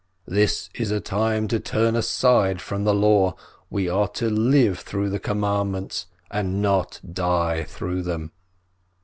This is a time to turn aside from the Law. We are to live through the commandments, and not die through them